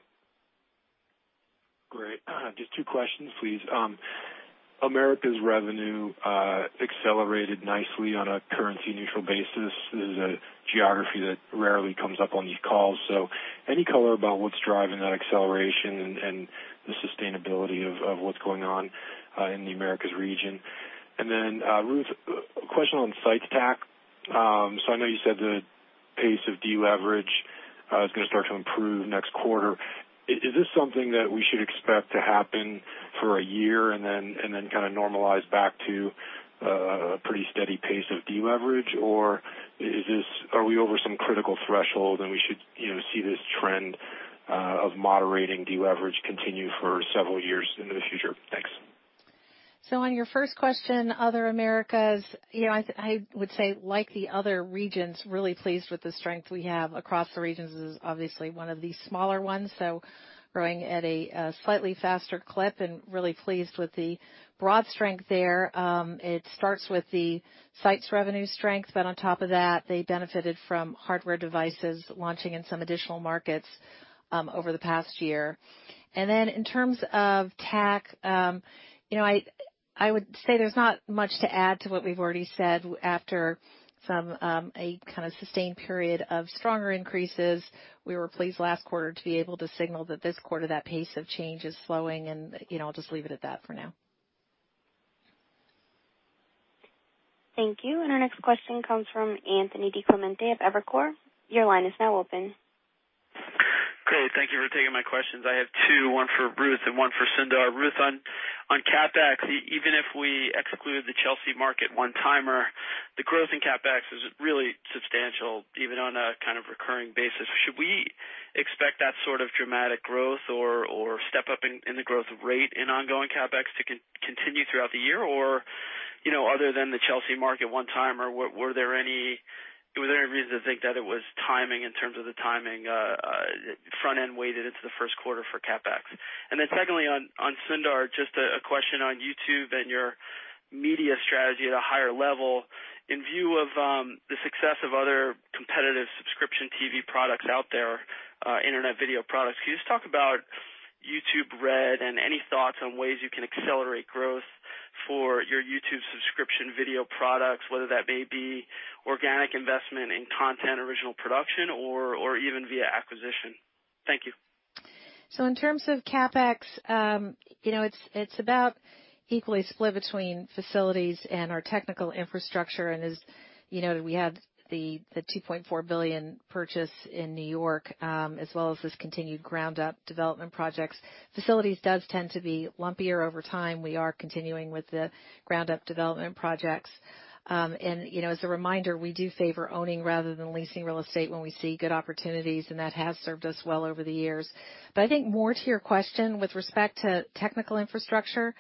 Great. Just two questions, please. Americas revenue accelerated nicely on a currency-neutral basis. This is a geography that rarely comes up on these calls. So any color about what's driving that acceleration and the sustainability of what's going on in the Americas region? And then, Ruth, a question on Sites TAC. So I know you said the pace of de-leverage is going to start to improve next quarter. Is this something that we should expect to happen for a year and then kind of normalize back to a pretty steady pace of de-leverage, or are we over some critical threshold and we should see this trend of moderating de-leverage continue for several years into the future? Thanks. So on your first question, Other Americas, I would say, like the other regions, really pleased with the strength we have across the regions is obviously one of the smaller ones. So growing at a slightly faster clip and really pleased with the broad strength there. It starts with the sites revenue strength, but on top of that, they benefited from Hardware devices launching in some additional markets over the past year. And then in terms of tech, I would say there's not much to add to what we've already said. After a kind of sustained period of stronger increases, we were pleased last quarter to be able to signal that this quarter, that pace of change is slowing, and I'll just leave it at that for now. Thank you. And our next question comes from Anthony DiClemente of Evercore. Your line is now open. Great. Thank you for taking my questions. I have two, one for Ruth and one for Sundar. Ruth, on CapEx, even if we exclude the Chelsea Market one-timer, the growth in CapEx is really substantial even on a kind of recurring basis. Should we expect that sort of dramatic growth or step up in the growth rate in ongoing CapEx to continue throughout the year? Or other than the Chelsea Market one-timer, were there any reasons to think that it was timing in terms of the timing front-end weighted into the first quarter for CapEx? Then secondly, on Sundar, just a question on YouTube and your media strategy at a higher level. In view of the success of other competitive subscription TV products out there, internet video products, can you just talk about YouTube Red and any thoughts on ways you can accelerate growth for your YouTube subscription video products, whether that may be organic investment in content, original production, or even via acquisition? Thank you. In terms of CapEx, it's about equally split between facilities and our technical infrastructure. And as you noted, we had the $2.4 billion purchase in New York as well as this continued ground-up development projects. Facilities does tend to be lumpier over time. We are continuing with the ground-up development projects. And as a reminder, we do favor owning rather than leasing real estate when we see good opportunities, and that has served us well over the years. But I think more to your question with respect to technical infrastructure,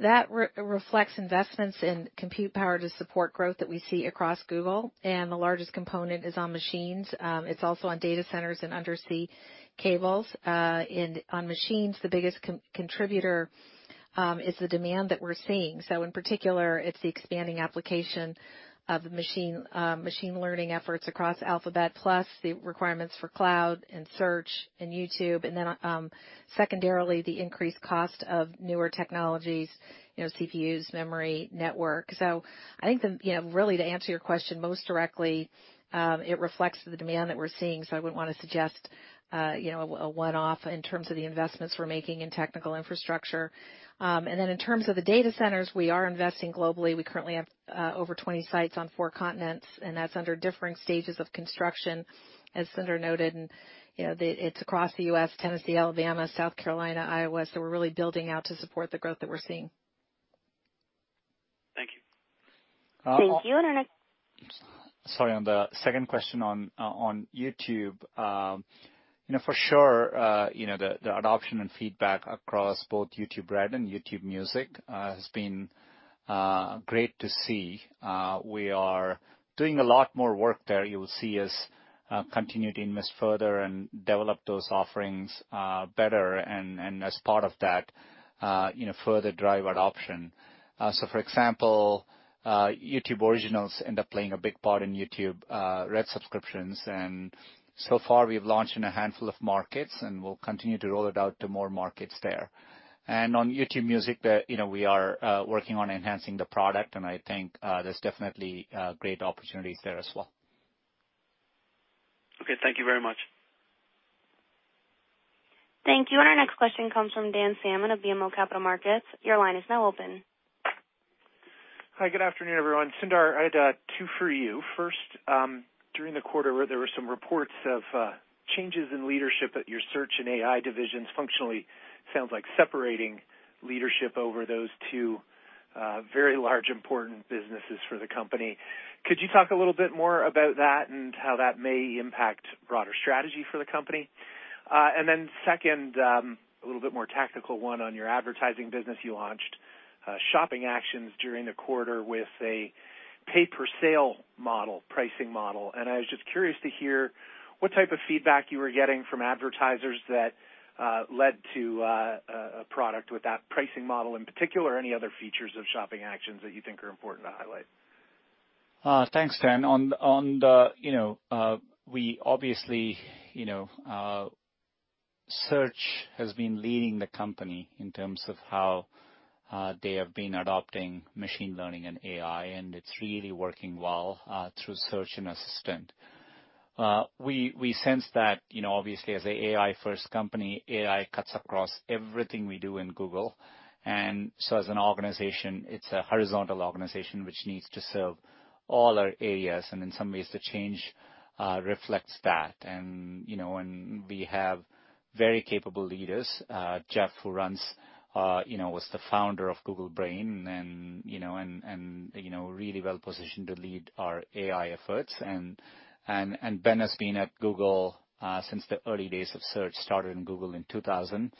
that reflects investments in compute power to support growth that we see across Google. And the largest component is on machines. It's also on data centers and undersea cables. And on machines, the biggest contributor is the demand that we're seeing. So in particular, it's the expanding application of machine learning efforts across Alphabet plus the requirements for Cloud and Search and YouTube. And then secondarily, the increased cost of newer technologies, CPUs, memory, network. So I think really to answer your question most directly, it reflects the demand that we're seeing. So I wouldn't want to suggest a one-off in terms of the investments we're making in technical infrastructure. Then in terms of the data centers, we are investing globally. We currently have over 20 sites on four continents, and that's under differing stages of construction, as Sundar noted. And it's across the U.S., Tennessee, Alabama, South Carolina, Iowa. So we're really building out to support the growth that we're seeing. Thank you. Thank you. Sorry, on the second question on YouTube, for sure, the adoption and feedback across both YouTube Red and YouTube Music has been great to see. We are doing a lot more work there. You will see us continue to invest further and develop those offerings better and as part of that, further drive adoption. So for example, YouTube Originals end up playing a big part in YouTube Red subscriptions. And so far, we've launched in a handful of markets, and we'll continue to roll it out to more markets there. And on YouTube Music, we are working on enhancing the product, and I think there's definitely great opportunities there as well. Okay. Thank you very much. Thank you. And our next question comes from Dan Salmon of BMO Capital Markets. Your line is now open. Hi. Good afternoon, everyone. Sundar, I had two for you. First, during the quarter, there were some reports of changes in leadership at your search and AI divisions. Functionally sounds like separating leadership over those two very large important businesses for the company. Could you talk a little bit more about that and how that may impact broader strategy for the company? And then second, a little bit more tactical one on your advertising business. You launched Shopping Actions during the quarter with a pay-per-sale pricing model. I was just curious to hear what type of feedback you were getting from advertisers that led to a product with that pricing model in particular or any other features of Shopping Actions that you think are important to highlight? Thanks, Dan. On that, we obviously see that Search has been leading the company in terms of how they have been adopting machine learning and AI, and it's really working well through Search and Assistant. We sense that, obviously, as an AI-first company, AI cuts across everything we do in Google, and so as an organization, it's a horizontal organization which needs to serve all our areas, and in some ways, the change reflects that, and we have very capable leaders. Jeff, who runs AI, was the founder of Google Brain and really well-positioned to lead our AI efforts. Ben has been at Google since the early days of search, started in Google in 2000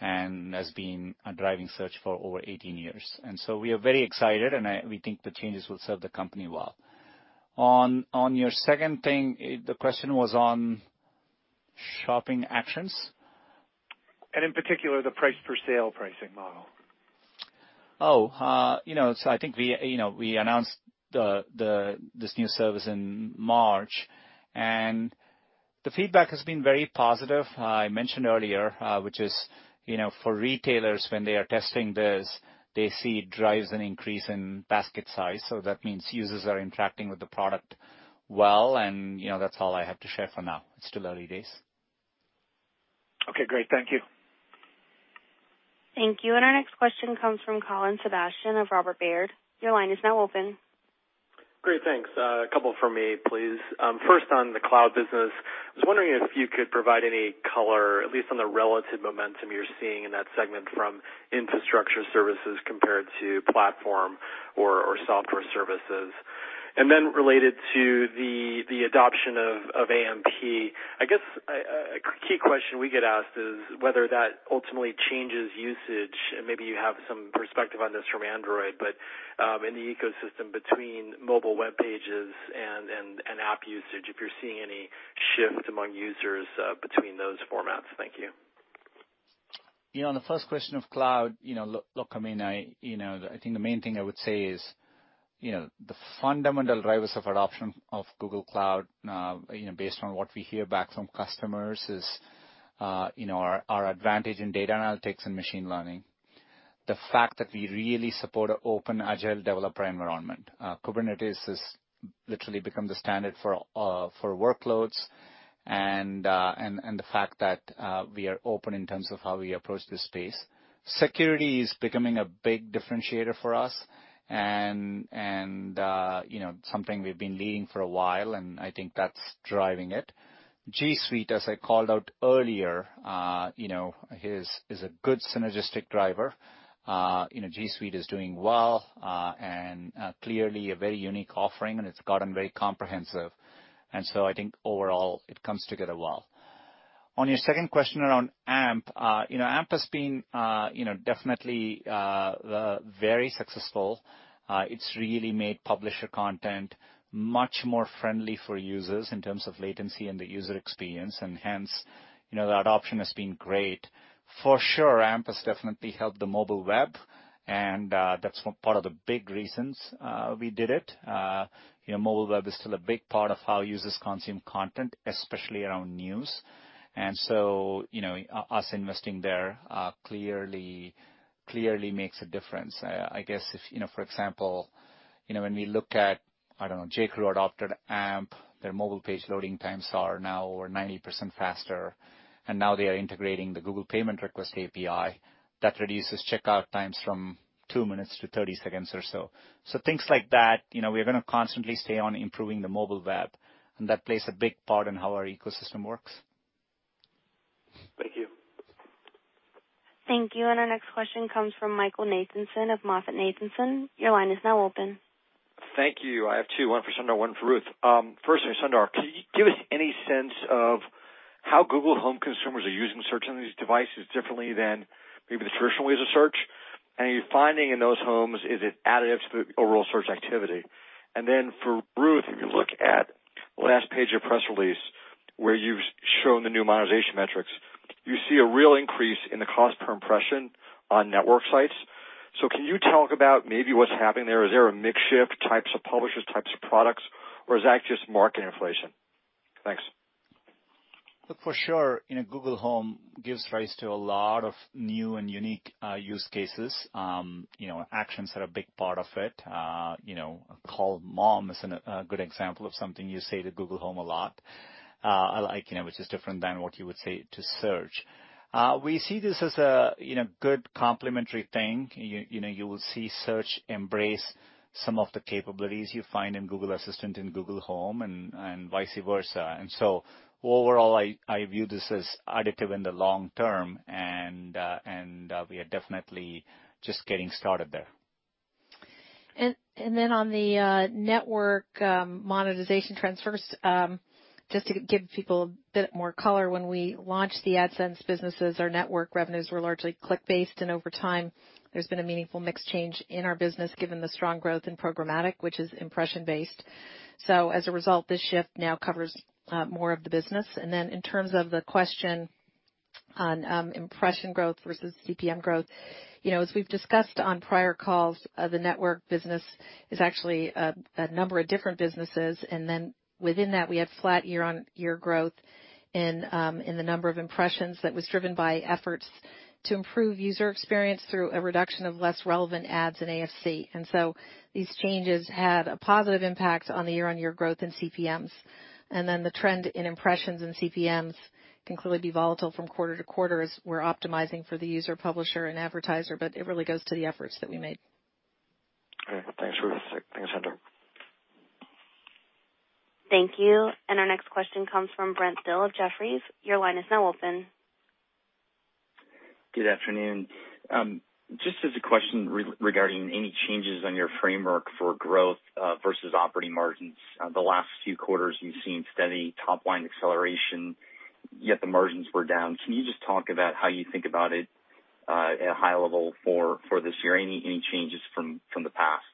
and has been driving search for over 18 years. So we are very excited, and we think the changes will serve the company well. On your second thing, the question was on Shopping Actions? In particular, the price-per-sale pricing model. Oh. So I think we announced this new service in March, and the feedback has been very positive. I mentioned earlier, which is for retailers, when they are testing this, they see drives an increase in basket size. So that means users are interacting with the product well, and that's all I have to share for now. It's still early days. Okay. Great. Thank you. Thank you. Our next question comes from Colin Sebastian of Robert Baird. Your line is now open. Great. Thanks. A couple for me, please. First, on the Cloud business, I was wondering if you could provide any color, at least on the relative momentum you're seeing in that segment from infrastructure services compared to platform or software services. And then related to the adoption of AMP, I guess a key question we get asked is whether that ultimately changes usage. And maybe you have some perspective on this from Android, but in the ecosystem between mobile web pages and app usage, if you're seeing any shift among users between those formats. Thank you. On the first question of Cloud, look, I mean, I think the main thing I would say is the fundamental drivers of adoption of Google Cloud, based on what we hear back from customers, is our advantage in data analytics and machine learning. The fact that we really support an open agile developer environment. Kubernetes has literally become the standard for workloads, and the fact that we are open in terms of how we approach this space, security is becoming a big differentiator for us and something we've been leading for a while, and I think that's driving it. G Suite, as I called out earlier, is a good synergistic driver. G Suite is doing well and clearly a very unique offering, and it's gotten very comprehensive, so I think overall, it comes together well. On your second question around AMP, AMP has been definitely very successful. It's really made publisher content much more friendly for users in terms of latency and the user experience, and hence, the adoption has been great. For sure, AMP has definitely helped the mobile web, and that's part of the big reasons we did it. Mobile web is still a big part of how users consume content, especially around news. And so us investing there clearly makes a difference. I guess if, for example, when we look at, I don't know, J.Crew adopted AMP, their mobile page loading times are now over 90% faster, and now they are integrating the Google Payment Request API. That reduces checkout times from two minutes to 30 seconds or so. So things like that, we are going to constantly stay on improving the mobile web, and that plays a big part in how our ecosystem works. Thank you. Thank you. And our next question comes from Michael Nathanson of MoffettNathanson. Your line is now open. Thank you. I have two, one for Sundar, one for Ruth. First, Sundar, can you give us any sense of how Google Home consumers are using search on these devices differently than maybe the traditional ways of search? And are you finding in those homes, is it additive to the overall search activity? And then for Ruth, if you look at the last page of the press release where you've shown the new monetization metrics, you see a real increase in the cost per impression on Network sites. So can you talk about maybe what's happening there? Is there a mixture of types of publishers, types of products, or is that just market inflation? Thanks. Look, for sure, Google Home gives rise to a lot of new and unique use cases. Actions are a big part of it. Call Mom is a good example of something you say to Google Home a lot, which is different than what you would say to Search. We see this as a good complementary thing. You will see Search embrace some of the capabilities you find in Google Assistant and Google Home and vice versa. And so overall, I view this as additive in the long term, and we are definitely just getting started there. And then on the Network monetization transfers, just to give people a bit more color, when we launched the AdSense businesses, our Network revenues were largely click-based, and over time, there's been a meaningful mix change in our business given the strong growth in programmatic, which is impression-based. So as a result, this shift now covers more of the business. Then in terms of the question on impression growth versus CPM growth, as we've discussed on prior calls, the Network business is actually a number of different businesses. Then within that, we had flat year-on-year growth in the number of impressions that was driven by efforts to improve user experience through a reduction of less relevant ads and AFC. So these changes had a positive impact on the year-on-year growth in CPMs. Then the trend in impressions and CPMs can clearly be volatile from quarter to quarter as we're optimizing for the user, publisher, and advertiser, but it really goes to the efforts that we made. Okay. Thanks, Ruth. Thanks, Sundar. Thank you. Our next question comes from Brent Thill of Jefferies. Your line is now open. Good afternoon. Just as a question regarding any changes on your framework for growth versus operating margins, the last few quarters you've seen steady top-line acceleration, yet the margins were down. Can you just talk about how you think about it at a high level for this year? Any changes from the past?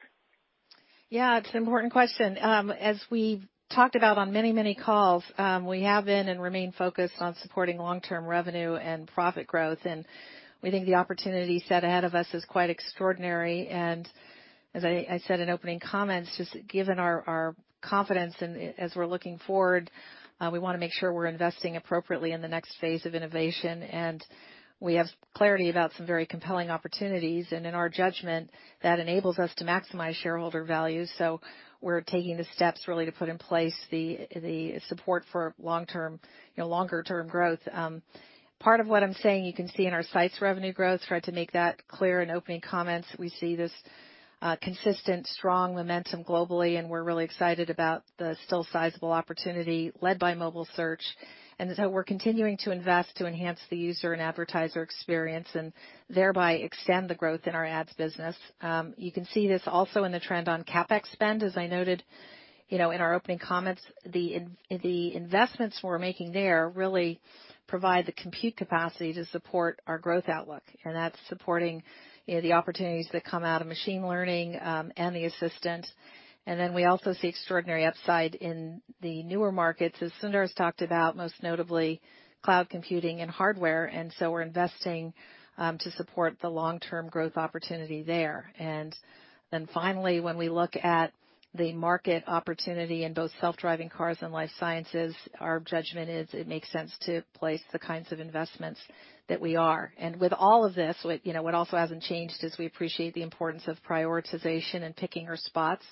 Yeah. It's an important question. As we've talked about on many, many calls, we have been and remain focused on supporting long-term revenue and profit growth. And we think the opportunity set ahead of us is quite extraordinary. And as I said in opening comments, just given our confidence and as we're looking forward, we want to make sure we're investing appropriately in the next phase of innovation. And we have clarity about some very compelling opportunities. And in our judgment, that enables us to maximize shareholder value. So we're taking the steps really to put in place the support for longer-term growth. Part of what I'm saying, you can see in our sites' revenue growth. Tried to make that clear in opening comments. We see this consistent, strong momentum globally, and we're really excited about the still sizable opportunity led by mobile search. And so we're continuing to invest to enhance the user and advertiser experience and thereby extend the growth in our ads business. You can see this also in the trend on CapEx spend. As I noted in our opening comments, the investments we're making there really provide the compute capacity to support our growth outlook. And that's supporting the opportunities that come out of machine learning and the Assistant. And then we also see extraordinary upside in the newer markets, as Sundar has talked about, most notably Cloud computing and Hardware. And so we're investing to support the long-term growth opportunity there. And then finally, when we look at the market opportunity in both self-driving cars and life sciences, our judgment is it makes sense to place the kinds of investments that we are. And with all of this, what also hasn't changed is we appreciate the importance of prioritization and picking our spots.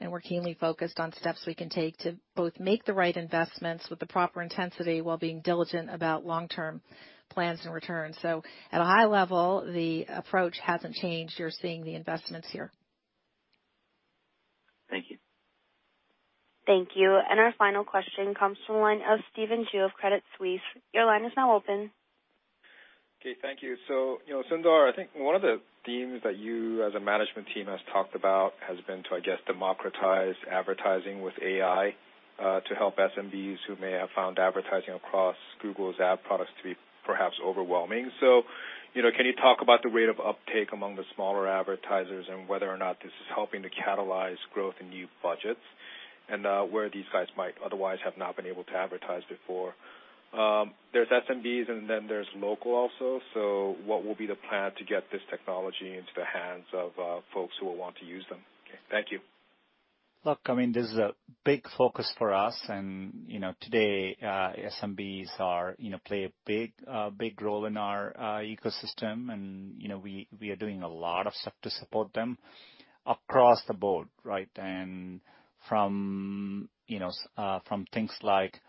And we're keenly focused on steps we can take to both make the right investments with the proper intensity while being diligent about long-term plans and returns. So at a high level, the approach hasn't changed. You're seeing the investments here. Thank you. Thank you. And our final question comes from the line of Stephen Ju of Credit Suisse. Your line is now open. Okay. Thank you. Sundar, I think one of the themes that you, as a management team, have talked about has been to, I guess, democratize advertising with AI to help SMBs who may have found advertising across Google's ad products to be perhaps overwhelming. Can you talk about the rate of uptake among the smaller advertisers and whether or not this is helping to catalyze growth in new budgets and where these guys might otherwise have not been able to advertise before? There's SMBs, and then there's local also. What will be the plan to get this technology into the hands of folks who will want to use them? Okay. Thank you. Look, I mean, this is a big focus for us. Today, SMBs play a big role in our ecosystem, and we are doing a lot of stuff to support them across the board, right, and from things like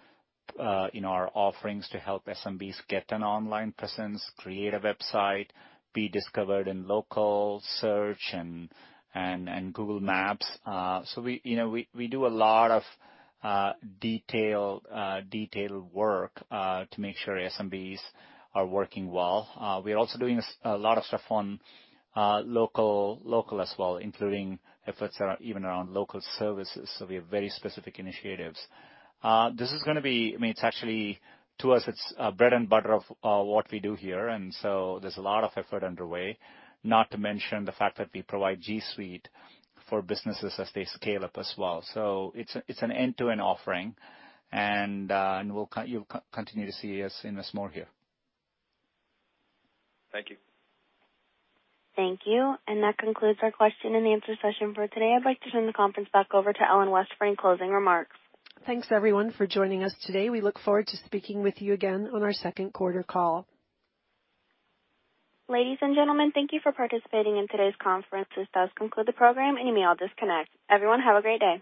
our offerings to help SMBs get an online presence, create a website, be discovered in local search and Google Maps. We do a lot of detailed work to make sure SMBs are working well. We are also doing a lot of stuff on local as well, including efforts that are even around local services. We have very specific initiatives. This is going to be I mean, to us, it's bread and butter of what we do here. So there's a lot of effort underway, not to mention the fact that we provide G Suite for businesses as they scale up as well. It's an end-to-end offering, and you'll continue to see us invest more here. Thank you. Thank you. That concludes our question and answer session for today. I'd like to turn the conference back over to Ellen West for any closing remarks. Thanks, everyone, for joining us today. We look forward to speaking with you again on our second quarter call. Ladies and gentlemen, thank you for participating in today's conference. This does conclude the program, and you may all disconnect. Everyone, have a great day.